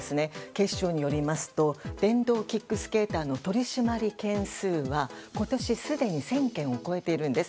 警視庁によりますと電動キックスケーターの取り締まり件数は今年すでに１０００件を超えているんです。